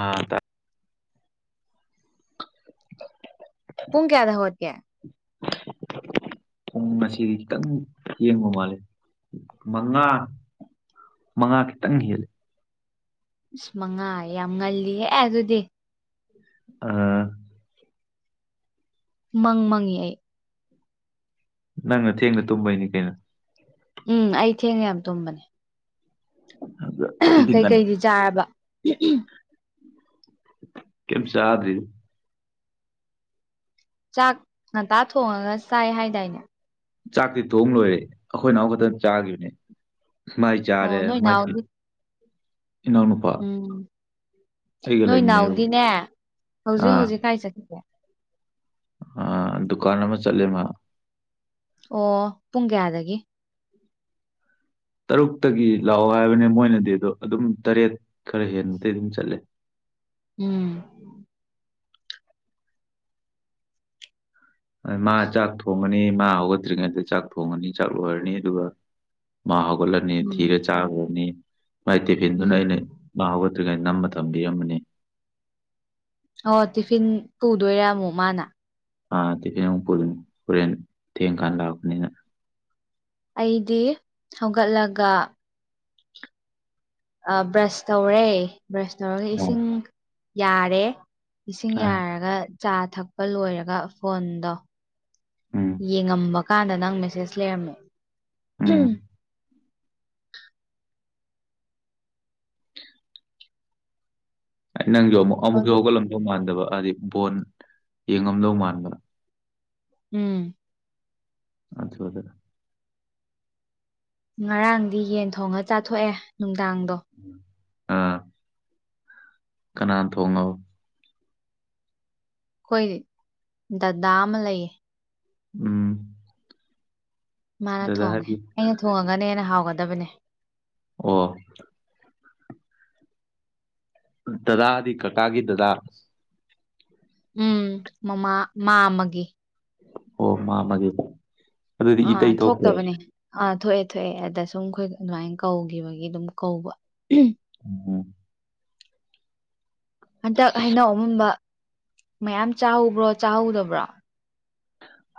ꯑꯥ ꯇ ꯄꯨꯡ ꯀꯌꯥꯗ ꯍꯧꯒꯠꯀꯦ ꯄꯨꯡ ꯉꯁꯤꯗꯤ ꯈꯤꯇꯪ ꯊꯦꯡꯕ ꯃꯥꯜꯂꯦ ꯃꯉꯥ ꯃꯉꯥ ꯈꯤꯇꯪ ꯍꯦꯜꯂꯦ ꯏꯁ ꯃꯉꯥꯌꯦ ꯌꯥꯝ ꯉꯜꯂꯤ ꯍꯦ ꯑꯗꯨꯗꯤ ꯑꯥ ꯃꯪ ꯃꯪꯉꯤ ꯑꯩ ꯅꯪꯅ ꯊꯦꯡꯅ ꯇꯨꯝꯕꯩꯅꯤ ꯀꯩꯅꯣ ꯎꯝ ꯑꯩ ꯊꯦꯡꯅ ꯌꯥꯝ ꯇꯨꯝꯕꯅꯤ ꯑꯗ [unintelligible] ꯑꯩꯗꯤ ꯉꯟ ꯀꯩꯀꯩꯗꯤ ꯆꯥꯔꯕ [unintelligible] ꯀꯦꯝ ꯆꯥꯗ꯭ꯔꯤ ꯆꯥꯛ ꯉꯟꯇꯥ ꯊꯣꯡꯉꯒ ꯆꯥꯏ ꯍꯥꯏꯗꯥꯏꯅꯦ ꯆꯥꯛꯇꯤ ꯊꯣꯡ ꯂꯣꯏꯔꯦ ꯑꯩꯈꯣꯏ ꯅꯥꯎ ꯈꯛꯇ ꯆꯥꯒꯤꯕꯅꯦ ꯃꯥꯏ ꯆꯥꯔꯦ ꯑꯣ ꯅꯣꯏ ꯃꯥꯏꯄꯤꯠ ꯅꯥꯎꯗꯤ ꯎꯝ ꯑꯩꯒ ꯅꯣꯏ ꯂꯩꯃꯤꯟꯅꯩꯕꯀꯣ ꯅꯥꯎꯗꯤꯅꯦ ꯍꯧꯖꯤꯛ ꯑꯥ ꯍꯧꯖꯤꯛ ꯀꯥꯏ ꯆꯠꯈꯤꯒꯦ ꯑꯥ ꯗꯨꯀꯥꯟ ꯑꯃ ꯆꯠꯂꯦ ꯃꯥ ꯑꯣ ꯄꯨꯡ ꯀꯌꯥꯗꯒꯤ ꯇꯔꯨꯛꯇꯒꯤ ꯂꯥꯛꯑꯣ ꯍꯥꯏꯕꯅꯦ ꯃꯣꯏꯅꯗꯤ ꯑꯗꯣ ꯑꯗꯨꯝ ꯇꯔꯦꯠ ꯈꯔ ꯍꯦꯟꯕꯗꯩ ꯑꯗꯨꯝ ꯆꯠꯂꯦ ꯎꯝ ꯃꯥ ꯆꯥꯛ ꯊꯣꯡꯉꯅꯤ ꯃꯥ ꯍꯧꯒꯠꯇ꯭ꯔꯤꯉꯩꯗꯩ ꯆꯥꯛ ꯊꯣꯡꯉꯅꯤ ꯆꯥꯛ ꯂꯣꯏꯔꯅꯤ ꯑꯗꯨꯒ ꯃꯥ ꯍꯧꯒꯠꯂꯅꯤ ꯎꯝ ꯊꯤꯔ ꯆꯥꯒ꯭ꯔꯅꯤ ꯃꯥꯏ ꯇꯤꯐꯤꯟꯗꯨꯅ ꯎꯝ ꯑꯩꯅ ꯃꯥ ꯍꯧꯒꯠꯇ꯭ꯔꯤꯉꯩ ꯅꯝꯃ ꯊꯝꯕꯤꯔꯝꯃꯅꯤ ꯑꯣ ꯇꯤꯐꯤꯟ ꯄꯨꯗꯣꯏꯔꯥ ꯃꯨꯛ ꯃꯥꯅ ꯑꯥ ꯇꯤꯐꯤꯟ ꯑꯃꯨꯛ ꯄꯨꯗꯨꯅꯦ ꯍꯣꯔꯦꯟ ꯊꯦꯡꯀꯥꯟ ꯂꯥꯛꯄꯅꯤꯅ ꯑꯩꯗꯤ ꯍꯧꯒꯠꯂꯒ ꯑꯥ ꯕ꯭ꯔꯁ ꯇꯧꯔꯦ ꯕ꯭ꯔꯁ ꯇꯧꯔꯒ ꯏꯁꯤꯡ ꯌꯥꯔꯦ ꯏꯁꯤꯡ ꯑꯥ ꯌꯥꯔꯒ ꯆꯥ ꯊꯛꯄ ꯂꯣꯏꯔꯒ ꯐꯣꯟꯗꯣ ꯎꯝ ꯌꯦꯡꯉꯝꯕ ꯀꯥꯟꯗ ꯅꯪ ꯃꯦꯁꯦꯁ ꯂꯩꯔꯝꯃꯦ ꯎꯝ [unintelligible] ꯅꯪꯖꯨ ꯑꯃꯨꯛ ꯑꯃꯨꯛꯁꯨ ꯍꯧꯖꯤꯛ ꯍꯧꯒꯠꯂꯝꯗꯧ ꯃꯥꯟꯗꯕ ꯍꯥꯏꯗꯤ ꯕꯣꯟ ꯌꯦꯡꯉꯝꯗꯧ ꯃꯥꯟꯕ ꯎꯝ [unintelligible] ꯉꯔꯥꯡꯗꯤ ꯌꯦꯟ ꯊꯣꯡꯉ ꯆꯥꯊꯣꯛꯑꯦ ꯅꯨꯡꯗꯥꯡꯗꯣ ꯀꯅꯥ ꯊꯣꯡꯉꯕ ꯑꯩꯈꯣꯏ ꯗꯗꯥ ꯑꯃ ꯂꯩꯌꯦ ꯎꯝ ꯃꯥꯅ ꯗꯗꯥ ꯊꯣꯡꯉꯦ ꯍꯥꯏꯕꯤꯌꯨ ꯑꯩꯅ ꯊꯣꯡꯉꯒꯅ ꯍꯦꯟꯅ ꯍꯥꯎꯒꯗꯕꯅꯦ ꯑꯣ ꯗꯗꯥꯗꯤ ꯀꯀꯥꯒꯤ ꯗꯗꯥ ꯎꯝ ꯃꯃꯥ ꯃꯥꯝꯃꯒꯤ ꯑꯣ ꯃꯥꯝꯃꯒꯤ ꯑꯗꯨꯗꯤ ꯑꯥ ꯏꯇꯩ ꯊꯣꯛꯇꯦ ꯊꯣꯛꯇꯕꯅꯦ ꯑꯥ ꯊꯣꯛꯑꯦ ꯊꯣꯛꯑꯦ ꯑꯗ ꯁꯨꯝ ꯑꯩꯈꯣꯏ ꯑꯗꯨꯃꯥꯏꯟ ꯀꯧꯒꯤꯕꯒꯤ ꯑꯗꯨꯝ ꯀꯧꯕ [unintelligible] ꯑꯣ ꯍꯟꯇꯛ ꯍꯩꯅꯧ ꯑꯃꯨꯟꯕ ꯃꯌꯥꯝ ꯆꯥꯍꯧꯕ꯭ꯔꯣ ꯆꯥꯍꯧꯗꯕ꯭ꯔꯣ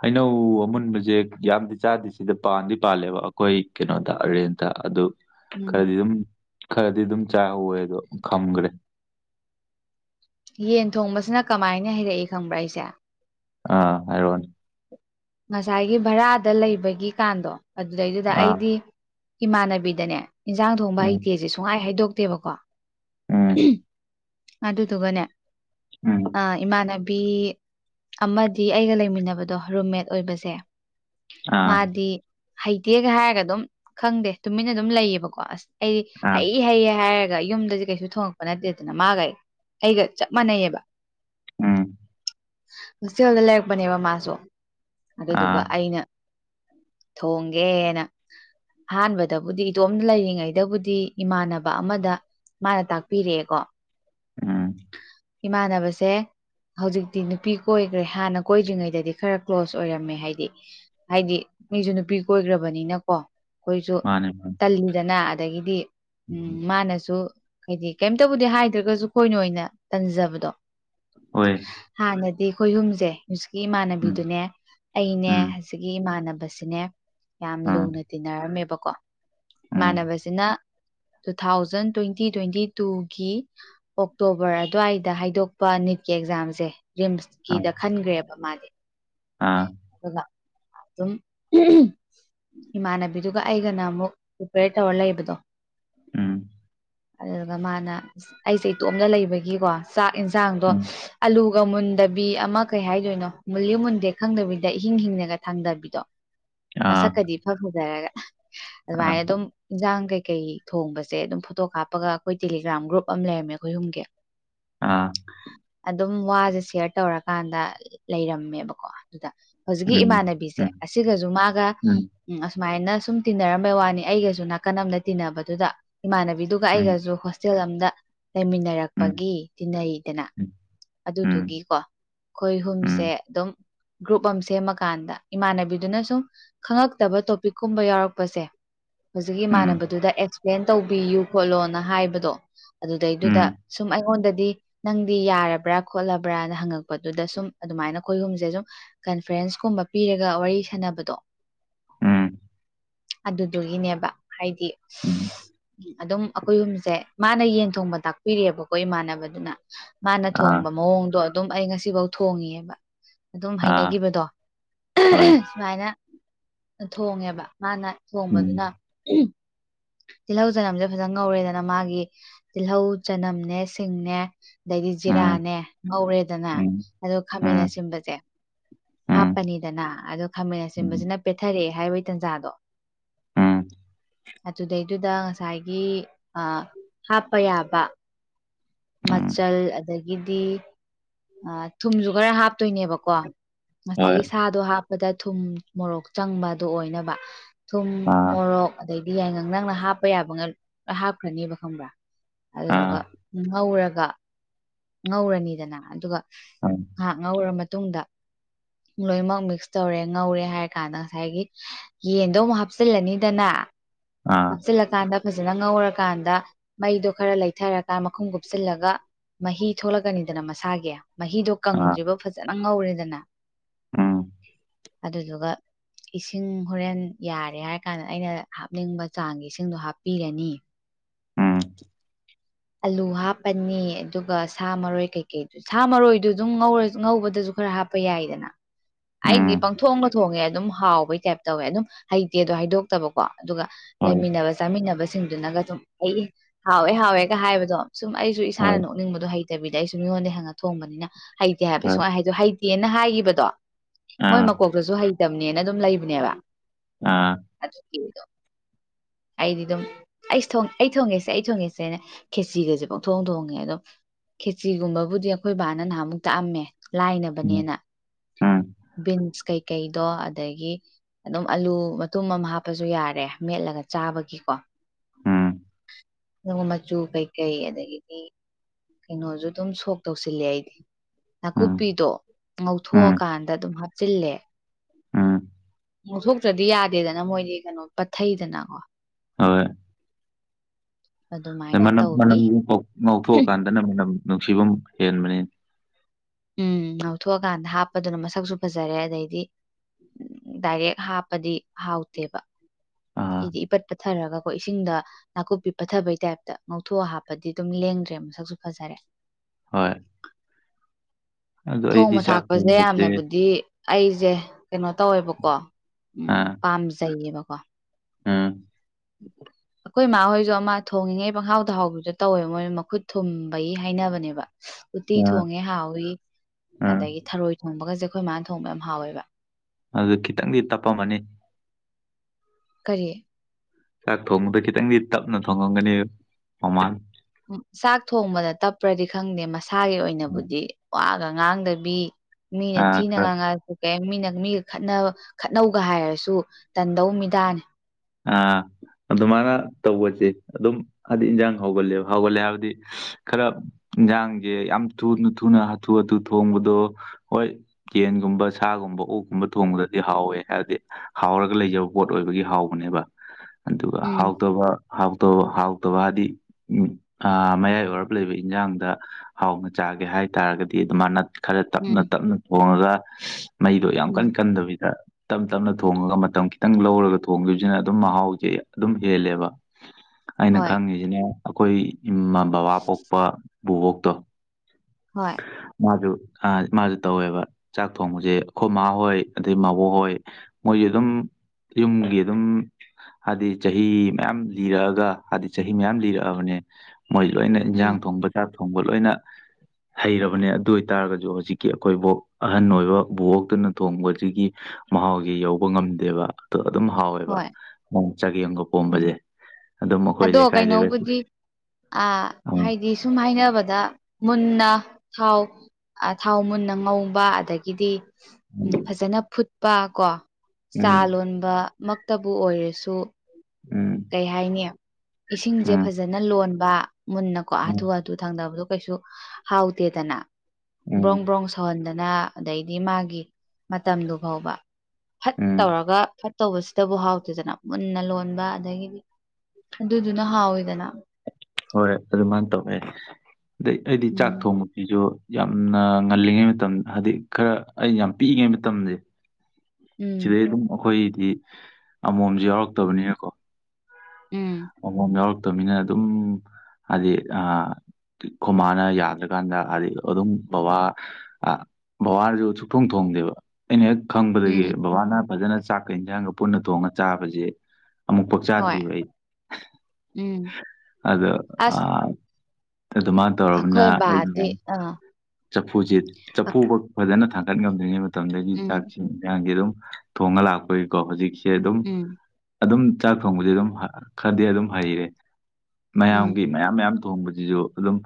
ꯍꯩꯅꯧ ꯑꯃꯨꯟꯕꯖꯤ ꯌꯥꯝꯗꯤ ꯆꯥꯗꯦ ꯁꯤꯗ ꯄꯥꯟꯗꯤ ꯄꯥꯜꯂꯦꯕ ꯑꯩꯈꯣꯏ ꯀꯩꯅꯣꯗ ꯔꯦꯟꯗ ꯑꯗꯨ ꯎꯝ ꯈꯔꯗꯤ ꯑꯗꯨꯝ ꯈꯔꯗꯤ ꯑꯗꯨꯝ ꯆꯥꯍꯧꯋꯦꯗꯣ ꯈꯝꯈ꯭ꯔꯦ ꯌꯦꯟ ꯊꯣꯡꯕꯁꯤꯅ ꯀꯃꯥꯏꯅ ꯍꯩꯔꯛꯏ ꯈꯪꯕ꯭ꯔꯥ ꯑꯩꯁꯦ ꯑꯥ ꯍꯥꯏꯔꯛꯑꯣꯅꯦ ꯉꯁꯥꯏꯒꯤ ꯚꯔꯥꯗ ꯂꯩꯕꯒꯤꯀꯥꯟꯗꯣ ꯑꯗꯨꯗꯩꯗꯨꯗ ꯑꯥ ꯑꯩꯗꯤ ꯏꯃꯥꯟꯅꯕꯤꯗꯅꯦ ꯏꯟꯖꯥꯡ ꯊꯣꯡꯕ ꯎꯝ ꯍꯩꯇꯦꯁꯦ ꯁꯨꯡꯍꯥꯏ ꯍꯩꯗꯣꯛꯇꯦꯕꯀꯣ ꯎꯝ ꯑꯗꯨꯗꯨꯒꯅꯦ ꯎꯝ ꯑ ꯏꯃꯥꯅ ꯕꯤ ꯑꯃꯗꯤ ꯑꯩꯒ ꯂꯩꯃꯤꯟꯅꯕꯗꯣ ꯔꯨꯝꯃꯦꯠ ꯑꯣꯏꯕꯁꯦ ꯑꯥ ꯃꯥꯗꯤ ꯍꯩꯇꯦꯒ ꯍꯥꯏꯔꯒ ꯑꯗꯨꯝ ꯈꯪꯗꯦ ꯇꯨꯃꯤꯟꯅ ꯑꯗꯨꯝ ꯂꯩꯌꯦꯕꯀꯣ ꯑꯁ ꯑꯩꯗꯤ ꯑꯥ ꯍꯩꯌꯦ ꯍꯩꯌꯦ ꯍꯥꯏꯔꯒ ꯌꯨꯝꯗꯗꯤ ꯀꯩꯁꯨ ꯊꯣꯡꯉꯛꯄ ꯅꯠꯇꯦꯗꯅ ꯃꯥꯒ ꯑꯩꯒ ꯆꯞ ꯃꯥꯟꯅꯩꯌꯦꯕ ꯎꯝ ꯍꯣꯁꯇꯦꯜꯗ ꯂꯩꯔꯛꯄꯅꯦꯕ ꯃꯥꯁꯨ ꯑꯗꯨꯗꯨꯒ ꯑꯥ ꯑꯩꯅ ꯊꯣꯡꯒꯦꯅ ꯑꯍꯥꯟꯕꯗꯕꯨꯗꯤ ꯏꯇꯣꯝ ꯂꯩꯔꯤꯉꯩꯗꯕꯨꯗꯤ ꯏꯃꯥꯟꯅꯕ ꯑꯃꯗ ꯃꯥꯅ ꯇꯥꯛꯄꯤꯔꯛꯑꯦꯀꯣ ꯎꯝ ꯏꯃꯥꯟꯅꯕꯁꯦ ꯍꯧꯖꯤꯛꯇꯤ ꯅꯨꯄꯤ ꯀꯣꯏꯈ꯭ꯔꯦ ꯍꯥꯟꯅ ꯀꯣꯏꯗ꯭ꯔꯤꯉꯩꯗꯗꯤ ꯈꯔ ꯀ꯭ꯂꯣꯁ ꯑꯣꯏꯔꯝꯃꯦ ꯍꯥꯏꯗꯤ ꯍꯥꯏꯗꯤ ꯃꯤꯁꯨ ꯅꯨꯄꯤ ꯀꯣꯏꯈ꯭ꯔꯕꯅꯤꯅ ꯀꯣ ꯑꯩꯈꯣꯏꯁꯨ ꯃꯥꯅꯦ ꯃꯥꯅꯦ ꯇꯜꯂꯤꯗꯅ ꯑꯗꯒꯤꯗꯤ ꯎꯝ ꯃꯥꯅꯁꯨ ꯍꯥꯏꯗꯤ ꯀꯩꯝꯇꯕꯨꯗꯤ ꯍꯥꯏꯗ꯭ꯔꯒꯁꯨ ꯑꯩꯈꯣꯏꯅ ꯑꯣꯏꯅ ꯇꯟꯖꯕꯗꯣ ꯍꯣꯏ ꯍꯥꯟꯅꯗꯤ ꯑꯩꯈꯣꯏꯍꯨꯝꯁꯦ ꯍꯧꯖꯤꯛꯀꯤ ꯎꯝ ꯏꯃꯥꯟꯅꯕꯤꯗꯨꯅꯦ ꯑꯩꯅꯦ ꯎꯝ ꯍꯧꯖꯤꯛꯀꯤ ꯏꯃꯥꯟꯅꯕꯁꯤꯅꯦ ꯌꯥꯝ ꯑꯥ ꯂꯨꯅ ꯇꯤꯟꯅꯔꯝꯃꯦꯕꯀꯣ ꯎꯝ ꯏꯃꯥꯟꯅꯕꯁꯤꯅ ꯇꯨ ꯊꯥꯎꯖꯟ ꯇ꯭ꯋꯦꯟꯇꯤ ꯇ꯭ꯋꯦꯟꯇꯤ ꯇꯨꯒꯤ ꯑꯣꯛ ꯇꯣꯕꯔ ꯑꯗꯨ꯭ꯋꯥꯏꯗ ꯍꯥꯏꯗꯣꯛꯄ ꯅꯤꯠꯀꯤ ꯑꯦꯛꯖꯥꯝꯁꯦ ꯑꯥ ꯔꯤꯝꯁꯀꯤꯗ ꯈꯟꯈ꯭ꯔꯦꯕ ꯃꯥꯗꯤ ꯑꯥ ꯑꯗꯨꯒ ꯑꯗꯨꯝ ꯏꯃꯥꯟꯅꯕꯤꯗꯨꯒ ꯑꯩꯒꯅ ꯑꯃꯨꯛ ꯄ꯭ꯔꯤꯄꯦꯌꯔ ꯇꯧꯔ ꯂꯩꯕꯗꯣ ꯎꯝ ꯑꯗꯨꯗꯨꯒ ꯃꯥꯅ ꯑꯩꯁꯦ ꯏꯇꯣꯝꯅ ꯂꯩꯕꯒꯤꯀꯣ ꯆꯥꯛ ꯌꯦꯟꯁꯥꯡꯗꯣ ꯎꯝ ꯑꯂꯨ ꯒ ꯃꯨꯟꯗꯕꯤ ꯑꯃ ꯀꯩ ꯍꯥꯏꯗꯣꯏꯅꯣ ꯃꯨꯜꯂꯤ ꯃꯨꯟꯗꯦ ꯈꯪꯗꯕꯤꯗ ꯏꯍꯤꯡ ꯍꯤꯡꯅꯒ ꯊꯥꯡꯗꯕꯤꯗꯣ ꯑꯥ ꯃꯁꯛꯀꯗꯤ ꯏꯐ ꯐꯖꯔꯒ ꯑꯥ ꯑꯗꯨꯃꯥꯏꯅ ꯑꯗꯨꯝ ꯏꯟꯖꯥꯡ ꯀꯩ ꯀꯩ ꯊꯣꯡꯕꯁꯦ ꯑꯗꯨꯝ ꯐꯣꯇꯣ ꯀꯥꯞꯄꯒ ꯑꯩꯈꯣꯏ ꯇꯦꯂꯤꯒ꯭ꯔꯥꯝ ꯒ꯭ꯔꯨꯞ ꯑꯃ ꯂꯩꯔꯝꯃꯦ ꯑꯩꯈꯣꯏ ꯍꯨꯝꯒꯤ ꯑꯥ ꯑꯗꯨꯝ ꯋꯥꯁꯦ ꯁꯦꯌꯔ ꯇꯧꯔꯀꯥꯟꯗ ꯂꯩꯔꯝꯃꯦꯕꯀꯣ ꯑꯗꯨꯗ ꯍꯧꯖꯤꯛꯀꯤ ꯎꯝ ꯏꯃꯥꯟꯅꯕꯤꯁꯦ ꯎꯝ ꯑꯁꯤꯒꯁꯨ ꯃꯥꯒ ꯎꯝ ꯁꯨꯃꯥꯏꯅ ꯁꯨꯝ ꯇꯤꯟꯅꯔꯝꯕꯩ ꯋꯥꯅꯤ ꯑꯩꯒꯁꯨ ꯅꯥꯀꯟ ꯑꯃꯗ ꯇꯤꯟꯅꯕꯗꯨꯗ ꯏꯃꯥꯟꯅꯕꯤꯗꯨꯒ ꯎꯝ ꯑꯩꯒꯁꯨ ꯍꯣꯁ ꯍꯣꯁꯇꯦꯜ ꯑꯃꯗ ꯎꯝ ꯂꯩꯃꯤꯟꯅꯔꯛꯄꯒꯤ ꯇꯤꯟꯅꯩꯗꯅ ꯎꯝ ꯎꯝ ꯑꯗꯨꯗꯨꯒꯤꯀꯣ ꯈꯣꯏꯍꯨꯝꯁꯦ ꯎꯝ ꯑꯗꯨꯝ ꯒ꯭ꯔꯨꯞ ꯑꯃ ꯁꯦꯝꯃꯀꯥꯟꯗ ꯏꯃꯥꯟꯅꯕꯤꯗꯨꯅ ꯁꯨꯝ ꯈꯪꯉꯛꯇꯕ ꯇꯣꯄꯤꯛꯀꯨꯝꯕ ꯌꯥꯎꯔꯛꯄꯁꯦ ꯍꯧꯖꯤꯛꯀꯤ ꯏꯃꯥꯟꯅꯕꯗꯨꯗ ꯑꯦꯛꯁꯄ꯭ꯂꯦꯟ ꯇꯧꯕꯤꯌꯨ ꯈꯣꯠꯂꯣꯅ ꯍꯥꯏꯕꯗꯣ ꯑꯗꯨꯗꯩꯗꯨꯗ ꯎꯝ ꯁꯨꯝ ꯑꯩꯉꯣꯟꯗꯗꯤ ꯅꯪꯗꯤ ꯌꯥꯔꯕ꯭ꯔꯥ ꯈꯣꯠꯂꯕ꯭ꯔꯥꯅ ꯍꯪꯉꯛꯄꯗꯨꯗ ꯁꯨꯝ ꯑꯗꯨꯃꯥꯏꯅ ꯑꯩꯈꯣꯏ ꯑꯍꯨꯝꯁꯦ ꯁꯨꯝ ꯀꯟꯐ꯭ꯔꯦꯟꯁ ꯀꯨꯝꯕ ꯄꯤꯔꯒ ꯋꯥꯔꯤ ꯁꯥꯟꯅꯕꯗꯣ ꯎꯝ ꯎꯝ ꯑꯗꯨꯗꯨꯒꯤꯅꯦꯕ ꯍꯥꯏꯗꯤ ꯎꯝ ꯎꯝ ꯑꯗꯨꯝ ꯑꯩꯈꯣꯏꯍꯨꯝꯁꯦ ꯃꯥꯅ ꯌꯦꯟ ꯊꯣꯡꯕ ꯇꯥꯛꯄꯤꯔꯛꯑꯦꯕꯀꯣ ꯏꯃꯥꯟꯅꯕꯗꯨꯅ ꯃꯥꯅ ꯑꯥ ꯊꯣꯡꯕ ꯃꯑꯣꯡꯗꯣ ꯑꯗꯨꯝ ꯑꯩ ꯉ ꯁꯤꯐꯧ ꯊꯣꯡꯉꯤꯌꯦꯕ ꯑꯗꯨꯝ ꯑꯥ ꯍꯩꯅꯈꯤꯕꯗꯣ ꯍꯣꯏ ꯁꯨꯃꯥꯏꯅ ꯊꯣꯡꯉꯦꯕ ꯃꯥꯅ ꯊꯣꯡꯕꯗꯨꯅ ꯇꯤꯜꯍꯧ ꯆꯅꯝꯁꯦ ꯐꯖꯅ ꯉꯧꯔꯦꯗꯅ ꯃꯥꯒꯤ ꯇꯤꯜꯍꯧ ꯆꯅꯝꯅꯦ ꯁꯤꯡꯅꯦ ꯑꯗꯩꯗꯤ ꯖꯤꯔꯥꯅꯦ ꯉꯧꯔꯦꯗꯅ ꯑꯗꯨ ꯈꯥꯃꯦꯟ ꯑꯁꯤꯟꯕꯁꯦ ꯍꯥꯞꯄꯅꯤꯗꯅ ꯑꯗꯣ ꯈꯥꯃꯦꯟ ꯑꯁꯤꯟꯕꯁꯤꯅ ꯄꯦꯊꯔꯛꯑꯦ ꯍꯥꯏꯕꯒꯤ ꯇꯟꯖꯥꯗꯣ [inaudible] ꯑꯗꯩꯗꯨꯗ ꯉꯁꯥꯏꯒꯤ ꯑꯥ ꯍꯥꯞꯄ ꯌꯥꯕ ꯃꯆꯜ ꯑꯗꯒꯤꯗꯤ ꯊꯨꯝꯁꯨ ꯈꯔ ꯍꯥꯞꯇꯣꯏꯅꯦꯕꯀꯣ ꯉꯁꯥꯏꯒꯤ ꯁꯥꯗꯣ ꯍꯥꯞꯄꯗ ꯊꯨꯝ ꯃꯣꯔꯣꯛ ꯆꯪꯕꯗ ꯑꯣꯏꯅꯕ ꯊꯨꯝ ꯃꯣꯔꯣꯛ ꯑꯗꯩꯒꯤ ꯌꯥꯏꯉꯪ ꯅꯪꯅ ꯍꯥꯞꯄ ꯌꯥꯕꯉꯩ ꯂꯣꯏꯅ ꯍꯥꯞꯈ꯭ꯔꯅꯦꯕ ꯈꯪꯕ꯭ꯔꯥ ꯑꯗꯨꯗꯨꯒ ꯎ ꯉꯧꯔꯒ ꯉꯧꯔꯅꯤꯗꯅ ꯑꯗꯨꯒ ꯉꯥꯏꯍꯥꯛ ꯉꯧꯔ ꯃꯇꯨꯡꯗ ꯂꯣꯏꯅꯃꯛ ꯃꯤꯛꯁ ꯇꯧꯔꯦ ꯉꯧꯔꯦ ꯍꯥꯏꯔ ꯀꯥꯟꯗ ꯉꯁꯥꯏꯒꯤ ꯌꯦꯟꯗꯣ ꯑꯃꯨꯛ ꯍꯥꯞꯆꯤꯜꯂꯅꯤꯗꯅ ꯍꯥꯞꯆꯤꯜꯂꯀꯥꯟꯗ ꯐꯖꯅ ꯉꯧꯔꯀꯥꯟꯗ ꯃꯩꯗꯣ ꯈꯔ ꯂꯩꯊꯔ ꯒ ꯃꯈꯨꯝ ꯀꯨꯞꯁꯤꯜꯂꯒ ꯃꯍꯤ ꯊꯣꯛꯂꯛꯀꯅꯤꯗꯅ ꯃꯁꯥꯒꯤ ꯃꯍꯤꯗꯣ ꯀꯪꯗ꯭ꯔꯤꯕ ꯐꯖꯅ ꯉꯧꯔꯦꯗꯅ ꯑꯗꯨꯏꯗꯨꯒ ꯏꯁꯤꯡ ꯍꯣꯔꯦꯟ ꯌꯥꯔꯦ ꯍꯥꯏꯔ ꯀꯥꯟꯗ ꯑꯩꯅ ꯍꯥꯞꯅꯤꯡꯕ ꯆꯥꯡꯒꯤ ꯏꯁꯤꯡꯗꯣ ꯍꯥꯞꯄꯤꯔꯅꯤ ꯑꯂꯨ ꯍꯥꯞꯄꯅꯤ ꯑꯗꯨꯒ ꯁꯥ ꯃꯔꯣꯏ ꯀꯩꯀꯩꯗꯨ ꯁꯥ ꯃꯔꯣꯏꯗꯨ ꯑꯗꯨꯝ ꯉꯧꯕꯗꯁꯨ ꯈꯔ ꯍꯥꯞꯄ ꯌꯥꯏꯗꯅ ꯑꯩꯗꯤ ꯄꯪꯊꯣꯡꯗ ꯊꯣꯡꯉꯦ ꯑꯗꯨꯝ ꯍꯥꯎꯕꯩ ꯇꯥꯏꯞ ꯇꯧꯋꯦ ꯑꯗꯨꯝ ꯍꯩꯇꯦꯗꯣ ꯍꯩꯗꯣꯛꯇꯕꯀꯣ ꯑꯗꯨꯒ ꯂꯩꯃꯤꯟꯅꯕ ꯆꯥꯃꯤꯟꯅꯕꯁꯤꯡꯗꯨꯅꯒ ꯑꯗꯨꯝ ꯑꯩ ꯍꯥꯎꯋꯦ ꯍꯥꯎꯋꯦ ꯍꯥꯏꯕꯗꯣ ꯁꯨꯝ ꯑꯩꯁꯨ ꯏꯁꯥꯅ ꯅꯣꯛꯅꯤꯡꯕꯗꯣ ꯍꯩꯇꯕꯤꯗ ꯑꯩꯁꯨ ꯃꯤꯉꯣꯟꯗ ꯍꯪꯉ ꯊꯣꯡꯕꯅꯤꯅ ꯍꯩꯇꯦ ꯍꯥꯏꯕ ꯁꯨꯛꯍꯥꯏ ꯍꯥꯏꯗꯣꯛ ꯍꯩꯇꯦꯅ ꯍꯥꯏꯈꯤꯕꯗꯣ ꯃꯣꯏ ꯃꯀꯣꯛꯇꯁꯨ ꯍꯩ ꯍꯩꯇꯝꯅꯦꯅ ꯑꯗꯨꯝ ꯂꯩꯕꯅꯦꯕ ꯑꯩꯗꯤ ꯑꯗꯨꯝ ꯑꯩꯁ ꯊꯣꯡ ꯑꯩ ꯊꯣꯡꯉꯦꯁꯦ ꯑꯩ ꯊꯣꯡꯒꯁꯦꯅ ꯈꯦꯆ꯭ꯔꯤꯒꯁꯦ ꯄꯣꯛꯊꯣꯡ ꯊꯣꯡꯉꯦ ꯑꯗꯨꯝ ꯈꯦꯆꯤꯒꯨꯝꯕꯕꯨꯗꯤ ꯑꯩꯈꯣꯏ ꯕꯥꯅ ꯅꯍꯥꯟꯃꯨꯛ ꯇꯥꯛꯑꯝꯃꯦ ꯂꯥꯏꯅꯕꯅꯦꯅ ꯕꯤꯟꯁ ꯀꯩꯀꯩꯗꯣ ꯑꯗꯒꯤ ꯑꯗꯨꯝ ꯑꯂꯨ ꯃꯇꯨꯝ ꯑꯃ ꯍꯥꯞꯄꯁꯨ ꯌꯥꯔꯦ ꯃꯦꯠꯂꯒ ꯆꯥꯕꯒꯤꯀꯣ ꯑꯗꯨꯒ ꯆꯨ ꯀꯩꯀꯩ ꯑꯗꯒꯤꯗꯤ ꯀꯩꯅꯣꯁꯨ ꯑꯗꯨꯝ ꯁꯣꯛ ꯇꯧꯁꯤꯜꯂꯦ ꯑꯩꯗꯤ ꯅꯥꯀꯨꯞꯄꯤꯗꯣ ꯉꯧꯊꯣꯛꯑꯀꯥꯟꯗ ꯑꯗꯨꯝ ꯍꯥꯞꯆꯤꯜꯂꯦ ꯎꯝ ꯉꯧꯊꯣꯛꯇ꯭ꯔꯗꯤ ꯌꯥꯗꯦꯗꯅ ꯃꯣꯏꯗꯤ ꯀꯩꯅꯣ ꯄꯠꯊꯩꯗꯅꯀꯣ [inaudible] ꯍꯣꯏ ꯑꯗꯨꯃꯥꯏꯅ ꯃꯅꯝ ꯇꯧꯋꯤ ꯃꯅꯝ ꯉꯧꯊꯣꯛꯑꯀꯥꯟꯗꯅ ꯃꯅꯝ ꯅꯨꯡꯁꯤꯐꯝ ꯍꯦꯟꯕꯅꯤ ꯎꯝ ꯉꯧꯊꯣꯛꯑꯀꯥꯟꯗ ꯍꯥꯞꯄꯗꯨꯅ ꯃꯁꯛꯁꯨ ꯐꯖꯔꯦ ꯑꯗꯩꯗꯤ ꯎ ꯗꯥꯏꯔꯦꯛ ꯍꯥꯞꯄꯗꯤ ꯍꯥꯎꯇꯦꯕ ꯑꯥ ꯏꯗꯤ ꯏꯄꯠ ꯄꯠ ꯊꯔꯒꯀꯣ ꯏꯁꯤꯡꯗ ꯅꯥꯀꯨꯞꯄꯤ ꯄꯠꯊꯕꯒꯤ ꯇꯥꯏꯞꯇ ꯉꯧꯊꯣꯛꯑ ꯍꯥꯞꯄꯗꯤ ꯑꯗꯨꯝ ꯂꯦꯡꯗ꯭ꯔꯦ ꯃꯁꯛꯁꯨ ꯐꯖꯔꯦ ꯍꯣꯏ ꯑꯗꯣ ꯑꯩꯗꯤ ꯊꯣꯡꯕ ꯆꯥꯛ ꯊꯥꯛꯄꯁꯦ ꯊꯣꯡꯕꯁꯦ ꯌꯥꯝꯅꯕꯨꯗꯤ ꯑꯩꯖꯦ ꯀꯩꯅꯣ ꯇꯧꯋꯦꯕꯀꯣ ꯎꯝ ꯄꯥꯝꯖꯩꯌꯦꯕꯀꯣ ꯎꯝ ꯎ [inaudible] ꯑꯩꯈꯣꯏ ꯏꯃꯥꯍꯣꯏꯁꯨ ꯑꯃ ꯊꯣꯡꯉꯤꯉꯩ ꯄꯪꯍꯥꯎ ꯇꯍꯥꯎꯕꯗꯣ ꯇꯧꯋꯦꯕ ꯃꯣꯏꯅ ꯃꯈꯨꯠ ꯊꯨꯝꯕꯒꯤ ꯍꯥꯏꯅꯕꯅꯦꯕ [unintelligible] ꯎꯇꯤ ꯑꯥ ꯊꯣꯡꯉꯦ ꯍꯥꯎꯋꯤ ꯑꯥ ꯑꯗꯒꯤ ꯊꯔꯣꯏ ꯊꯣꯡꯕꯒꯖꯦ ꯑꯩꯈꯣꯏ ꯃꯥꯅ ꯊꯣꯡꯕ ꯌꯥꯝ ꯍꯥꯎꯋꯦꯕ ꯑꯗꯨ ꯈꯤꯇꯪꯗꯤ ꯇꯞꯄꯝꯃꯅꯤ ꯀꯔꯤ ꯆꯥꯛ ꯊꯣꯡꯕꯗ ꯈꯤꯇꯪꯗꯤ ꯇꯞꯅ ꯊꯣꯡꯉꯝꯒꯅꯤ ꯃꯃꯥꯅ ꯎꯝ ꯆꯥꯛ ꯊꯣꯡꯕꯗ ꯇꯞꯄ꯭ꯔꯗꯤ ꯈꯪꯗꯦ ꯃꯁꯥꯒꯤ ꯑꯣꯏꯅꯕꯨꯗꯤ ꯋꯥꯒ ꯉꯥꯡꯗꯕꯤ ꯃꯤꯅ ꯑꯥ ꯊꯤꯅ ꯈꯔ ꯉꯥꯡ ꯉꯛ ꯑꯖꯨ ꯀꯩꯝ ꯃꯤꯅ ꯃꯤꯒ ꯈꯠꯅ ꯈꯠꯅꯧꯒ ꯍꯥꯏꯔꯁꯨ ꯇꯟꯗꯧ ꯃꯤꯗꯥꯅꯤ ꯑꯥ ꯑꯗꯨꯃꯥꯏꯅ ꯇꯧꯕꯁꯦ ꯑꯗꯨꯝ ꯍꯥꯏꯗꯤ ꯏꯟꯁꯥꯡ ꯍꯧꯒꯠꯂꯦꯕ ꯍꯧꯒꯜꯂꯦ ꯍꯥꯏꯕꯗꯤ ꯈꯔ ꯌꯦꯟꯖꯥꯡꯁꯦ ꯌꯥꯝ ꯊꯨꯅ ꯊꯨꯅ ꯍꯥꯊꯨ ꯍꯥꯊꯨ ꯊꯣꯡꯕꯗꯣ ꯍꯣꯏ ꯌꯦꯟꯒꯨꯝꯕ ꯁꯥꯒꯨꯝꯕ ꯑꯣꯛ ꯀꯨꯝꯕ ꯊꯣꯡꯕꯗꯗꯤ ꯍꯥꯎꯋꯦ ꯍꯥꯢꯕꯗꯤ ꯍꯥꯎꯔꯒ ꯂꯩꯖꯕ ꯄꯣꯠ ꯑꯣꯢꯕꯒꯤ ꯍꯥꯎ ꯕꯅꯦꯕ ꯑꯗꯨꯒ ꯎꯝ ꯍꯥꯎꯇꯕ ꯍꯥꯎꯇꯕ ꯍꯥꯎ ꯕꯕꯥꯗꯤ ꯃꯌꯥꯏ ꯑꯣꯏꯔꯞ ꯂꯩꯕ ꯏꯟꯖꯥꯡꯗ ꯍꯥꯎꯅ ꯆꯥꯒꯦ ꯍꯥꯏꯇꯥꯔꯒꯗꯤ ꯑꯗꯨ ꯃꯥꯅ ꯈꯔ ꯎꯝ ꯇꯞꯅ ꯇꯞꯅ ꯊꯣꯡꯉꯒ [unintelligible] ꯃꯩꯗꯣ ꯌꯥꯝ ꯎꯝ ꯀꯟ ꯀꯟꯗꯕꯤꯗ ꯇꯞ ꯇꯞꯅ ꯊꯣꯡꯉꯒ ꯃꯇꯝ ꯈꯤꯇꯪ ꯂꯧꯔꯒ ꯊꯣꯡꯈꯤꯕꯁꯤꯅ ꯑꯗꯨꯝ ꯃꯍꯥꯎꯖꯦ ꯑꯗꯨꯝ ꯍꯦꯜꯂꯦꯕ ꯑꯩꯅ ꯍꯣꯏ ꯈꯪꯉꯤꯁꯤꯅ ꯑꯩꯈꯣꯏ ꯏꯃꯥ ꯕꯕꯥ ꯄꯣꯛꯄ ꯕꯕꯣꯛꯇꯣ ꯍꯣꯏ ꯃꯥꯖꯨ ꯑ ꯃꯥꯖꯨꯇꯧꯋꯦꯕ ꯆꯥꯛ ꯊꯣꯡꯕꯁꯦ ꯑꯩꯈꯣꯏꯃꯥ ꯍꯣꯏ ꯑꯗꯩ ꯃꯥꯕꯣꯛ ꯍꯣꯏ ꯃꯣꯏꯖꯨ ꯑꯗꯨꯝ ꯌꯨꯝꯒꯤ [unintelligible] ꯑꯗꯨꯝ ꯍꯥꯏꯗꯤ ꯆꯍꯤ ꯃꯌꯥꯝ ꯂꯤꯔꯛꯑꯒ ꯍꯥꯏꯗꯤ ꯆꯍꯤ ꯃꯌꯥꯝ ꯂꯤꯔꯛꯑꯕꯅꯦ ꯃꯣꯏ ꯂꯣꯏꯅ ꯏꯟꯖꯥꯡ ꯎꯝ ꯊꯣꯡꯕ ꯆꯥꯛ ꯊꯣꯡꯕ ꯂꯣꯏꯅ ꯍꯩꯔꯕꯅꯦ ꯑꯗꯨ ꯑꯣꯏꯇꯥꯔꯒꯖꯨ ꯍꯧꯖꯤꯛꯀꯤ ꯑꯩꯈꯣꯏ ꯕꯣꯛ ꯑꯍꯟ ꯑꯣꯏꯕ ꯕꯣꯛꯇꯨꯅ ꯊꯣꯡꯕꯖꯤꯒꯤ ꯃꯍꯥꯎꯒꯤ ꯌꯧꯕ ꯉꯝꯗꯦꯕ ꯑꯗꯣ ꯑꯗꯨꯝ ꯍꯥꯎ ꯑꯦꯕ ꯍꯣꯏ ꯆꯒꯦꯝꯒ ꯎꯝ ꯄꯣꯝꯕꯖꯦ ꯑꯗꯣ ꯀꯩꯅꯣꯕꯨꯗꯤ ꯑ ꯎꯝ ꯍꯥꯏꯗꯤ ꯁꯨꯝ ꯍꯥꯏꯅꯕꯗ ꯃꯨꯟꯅ ꯊꯥꯎ ꯑ ꯊꯥꯎ ꯃꯨꯟꯅ ꯉꯧꯕ ꯑꯗꯒꯤꯗꯤ ꯎꯝ ꯐꯖꯅ ꯐꯨꯠꯄ ꯀꯣ ꯆꯥ ꯎꯝ ꯂꯣꯟꯕ ꯃꯛꯇꯕꯨ ꯑꯣꯏꯔꯁꯨ ꯎꯝ ꯀꯩ ꯍꯥꯏꯅꯤ ꯏꯁꯤꯡꯁꯦ ꯎꯝ ꯐꯖꯅ ꯂꯣꯟꯕ ꯃꯨꯟꯅꯀꯣ ꯎꯝ ꯍꯥꯊꯨ ꯍꯥꯊꯨ ꯊꯥꯡꯗꯕꯗꯣ ꯀꯩꯁꯨ ꯍꯥꯎꯇꯦꯗꯅ ꯎꯝ ꯕ꯭ꯔꯣꯡ ꯕ꯭ꯔꯣꯡ ꯁꯧꯍꯟꯗꯅ ꯅ ꯑꯗꯩꯗꯤ ꯃꯥꯒꯤ ꯃꯇꯝꯗꯣ ꯐꯥꯎꯕ ꯐꯠ ꯎꯝ ꯇꯧꯔꯒ ꯐꯠ ꯇꯧꯕꯁꯤꯗꯕꯨ ꯍꯥꯎꯇꯦꯗꯅ ꯃꯨꯟꯅ ꯂꯣꯟꯕ ꯑꯗꯒꯤꯗꯤ ꯑꯗꯨꯗꯨꯅ ꯍꯥꯎꯋꯦꯗꯅ ꯍꯣꯏ ꯑꯗꯨꯃꯥꯏꯅ ꯇꯧꯋꯦ ꯑꯗꯩ ꯑꯗꯤ ꯑꯩꯗꯤ ꯆꯥꯛ ꯎꯝ ꯊꯣꯡꯕꯕꯖꯤꯖꯨ ꯌꯥꯝꯅ ꯉꯜꯂꯤꯉꯩ ꯃꯇꯝ ꯍꯥꯏꯗꯤ ꯈꯔ ꯑꯩ ꯌꯥꯝ ꯄꯤꯛꯏꯉꯩ ꯃꯇꯝꯁꯦ ꯎꯝ ꯁꯤꯗꯩ ꯑꯗꯨꯝ ꯑꯩꯈꯣꯏꯗꯤ ꯑꯃꯣꯝꯁꯨ ꯌꯥꯎꯔꯛꯇꯕꯅꯤꯅꯀꯣ ꯎꯝ ꯑꯃꯣꯝ ꯌꯥꯎꯔꯛꯇꯕꯅꯤꯅ ꯑꯗꯨꯝ ꯍꯥꯏꯗꯤ ꯑ ꯈꯣꯃꯥꯅ ꯌꯥꯗ꯭ꯔꯀꯥꯟꯗ ꯍꯥꯏꯗꯤ ꯑꯗꯨꯝ ꯕꯕꯥ ꯑ ꯕꯕꯥꯁꯨ ꯁꯨꯛꯊꯣꯡ ꯊꯣꯡꯗꯦꯕ ꯑꯩꯅ ꯍꯦꯛ ꯈꯪꯕꯗꯒꯤ ꯎꯝ ꯕꯕꯥꯅ ꯐꯖꯅ ꯆꯥꯛꯀ ꯌꯦꯟꯖꯥꯡꯒ ꯄꯨꯟꯅ ꯊꯣꯡꯉꯒ ꯆꯥꯕꯁꯦ ꯑꯃꯨꯛ ꯄꯛ ꯍꯣꯏ ꯆꯥꯗ꯭ꯔꯤꯕ ꯑꯩ [unintelligible] ꯎꯝ ꯑꯗꯣ ꯑꯁ ꯑꯥ ꯑꯗꯨꯃꯥꯏꯅ ꯇꯧꯔꯕꯅꯤꯅ ꯑꯩꯈꯣꯏ ꯑꯩꯖꯦ ꯕꯥꯗꯤ ꯑꯥ ꯆꯐꯨꯁꯤ ꯆꯐꯨ ꯐꯧ ꯐꯖꯅ ꯊꯥꯡꯒꯠ ꯉꯝꯗ꯭ꯔꯤꯉꯩ ꯃꯇꯝꯗꯒꯤ ꯎꯝ ꯆꯥꯛꯁꯤ ꯏꯟꯁꯥꯡꯁꯦ ꯑꯗꯨꯝ ꯊꯣꯡꯉ ꯂꯥꯛꯄꯒꯤꯀꯣ ꯍꯧꯖꯤꯛꯁꯤ ꯁꯦ ꯑꯗꯨꯝ ꯎꯝ ꯑꯗꯨꯝ ꯆꯥꯛ ꯊꯣꯡꯕꯖꯦ ꯑꯗꯨꯝ ꯈꯔꯗꯤ ꯑꯗꯨꯝ ꯍꯩꯔꯦ ꯎꯝ ꯃꯌꯥꯝꯒꯤ ꯃꯌꯥꯝ ꯃꯌꯥꯝ ꯊꯣꯡꯕꯖꯤꯖꯨ ꯑꯗꯨꯝ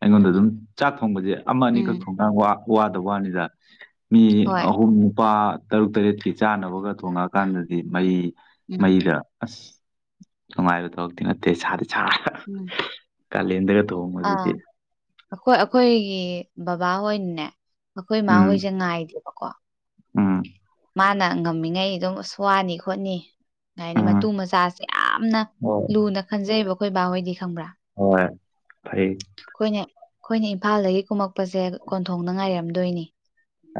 ꯑꯩꯉꯣꯟꯗ ꯑꯗꯨꯝ ꯆꯥꯛ ꯊꯣꯡꯕꯖꯦ ꯑꯃ ꯑꯅꯤꯈꯛ ꯎꯝ ꯊꯣꯡꯒ ꯋꯥꯗꯕ ꯋꯥꯅꯤꯗ ꯃꯤ ꯍꯣꯏ ꯑꯍꯨꯝ ꯅꯨꯄꯥ ꯇꯔꯨꯛ ꯇꯔꯦꯠꯀꯤ ꯆꯥꯅꯕꯒ ꯊꯣꯡꯉꯛꯑꯀꯥꯟꯗꯗꯤ ꯃꯩ ꯎꯝ ꯃꯩꯗ ꯑꯥꯁ ꯅꯨꯡꯉꯥꯢꯕ ꯊꯕꯛꯇꯤ ꯅꯠꯇꯦ ꯁꯥꯗꯤ ꯁꯥ INAUDIBLE ꯀꯥꯂꯦꯟꯗꯒ ꯑꯥ ꯊꯣꯡꯕꯁꯤꯗꯤ ꯑꯈꯣꯏ ꯑꯈꯣꯏꯒꯤ ꯕꯕꯥꯍꯣꯏꯅꯥꯅꯦ ꯑꯩꯈꯣꯏ ꯎꯝ ꯃꯥꯍꯣꯏꯖꯦ ꯉꯥꯏꯗꯦꯕꯀꯣ ꯎꯝ ꯃꯥꯅ ꯉꯝꯃꯤꯉꯩ ꯑꯗꯨꯝ ꯑꯥꯁ ꯋꯥꯅꯤ- ꯈꯣꯠꯅꯤ ꯀꯩ ꯍꯥꯏꯅꯤ ꯎꯝ ꯃꯇꯨ- ꯃꯆꯥꯖꯦ ꯌꯥꯝꯅꯥ ꯂꯨꯅ ꯈꯟꯖꯩꯕ ꯑꯩꯈꯣꯏ ꯕꯥꯍꯣꯏꯗꯤ ꯈꯪꯕ꯭ꯔꯥ ꯍꯣꯏꯌꯦ ꯐꯩ ꯈꯣꯏꯅ ꯈꯣꯏꯅ ꯏꯝꯐꯥꯜꯗꯒꯤ ꯀꯨꯝꯃꯛꯄꯖꯦ ꯀꯣꯟꯊꯣꯡꯗ ꯉꯥꯏꯔꯝꯗꯣꯏꯅꯤ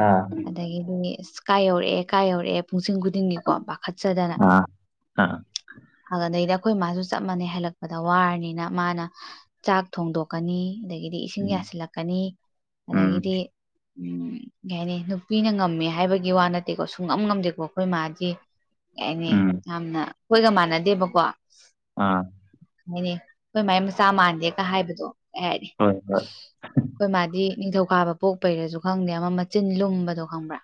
ꯑꯥ ꯑꯗꯒꯤꯗꯤ ꯑꯥꯁ ꯀꯥꯏ ꯌꯧꯔꯛꯑꯦ- ꯀꯥꯏ ꯌꯧꯔꯛꯑꯦ ꯄꯨꯡꯁꯤꯡ ꯈꯨꯗꯤꯡꯒꯤꯀꯣ ꯄꯥꯈꯠꯆꯗꯅꯥ ꯑꯥ ꯑꯥ ꯑꯗꯗꯩꯗꯥ ꯈꯣꯏ ꯃꯥꯖꯨ ꯆꯞ ꯃꯥꯟꯅꯩ ꯍꯜꯂꯛꯄꯗ ꯋꯥꯔꯅꯤꯅ ꯃꯥꯅ ꯆꯥꯛ ꯊꯣꯡꯗꯣꯛꯀꯅꯤ ꯑꯗꯒꯤꯗꯤ ꯏꯁꯤꯡ ꯎꯝ ꯌꯥꯁꯤꯜꯂꯛꯀꯅꯤ ꯎꯝ ꯑꯗꯒꯤꯗꯤ ꯎꯝ ꯀꯩ ꯍꯥꯏꯅꯤ ꯅꯨꯄꯤꯅ ꯉꯝꯃꯦ ꯍꯥꯏꯕꯒꯤ ꯋꯥ ꯅꯠꯇꯦꯀꯣ ꯁꯨꯉꯝ ꯉꯝꯗꯦꯀꯣ ꯈꯣꯏ ꯃꯥꯗꯤ ꯀꯩ ꯍꯥꯏꯅꯤ ꯎꯝ ꯌꯥꯝꯅ ꯈꯣꯏꯒ ꯃꯥꯟꯅꯗꯦꯕꯀꯣ ꯑꯥꯑꯥ ꯍꯥꯏꯅꯤ ꯈꯣꯏ ꯃꯥꯏ ꯃꯆꯥ ꯃꯥꯟꯗꯦꯒ ꯍꯥꯏꯕꯗꯣ ꯑꯩ ꯍꯥꯏꯗꯤ ꯍꯣꯏ ꯍꯣꯏ ꯈꯣꯏ ꯃꯥꯗꯤ ꯅꯤꯡꯊꯧꯀꯥꯕ ꯄꯣꯛꯄꯩꯔꯖꯨ ꯈꯪꯗꯦꯉꯣ ꯃꯆꯤꯟꯨ ꯂꯨꯝ ꯕꯗꯣ ꯈꯪꯕ꯭ꯔꯥ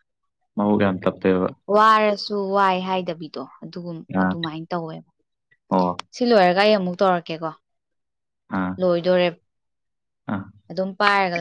ꯃꯕꯨꯛ ꯌꯥꯝ ꯇꯞꯄꯦꯕ ꯋꯥꯔꯁꯨ- ꯋꯥꯏ ꯍꯥꯏꯗꯕꯤꯗꯣ ꯑꯗꯨꯒꯨꯝ ꯑꯥ ꯑꯗꯨꯃꯥꯏꯅ ꯇꯧꯌꯦꯕ ꯑꯣ ꯁꯤ ꯂꯣꯏꯔ ꯒꯥ ꯑꯩ ꯑꯃꯨꯛ ꯇꯧꯔꯛꯀꯦꯀꯣ ꯑꯥ ꯂꯣꯏꯗꯣꯔꯦ ꯑꯥ ꯑꯗꯨꯝ ꯄꯥꯏꯔ